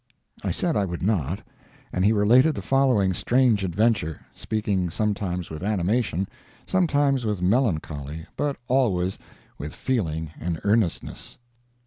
I said I would not, and he related the following strange adventure, speaking sometimes with animation, sometimes with melancholy, but always with feeling and earnestness.